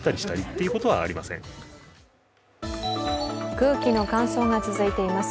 空気の乾燥が続いています。